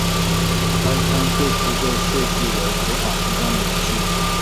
该枪最初被设计为执法机关的武器。